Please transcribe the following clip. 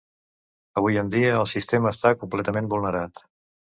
Avui en dia, el sistema està completament vulnerat.